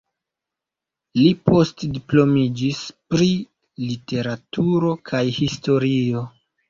Li postdiplomiĝis pri Literaturo kaj Historio.